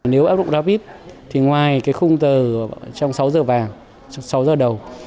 nếu áp dụng rapid ngoài khung tờ trong sáu giờ vàng sáu giờ đầu